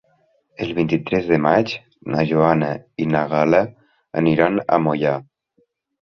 El vint-i-tres de maig na Joana i na Gal·la aniran a Moià.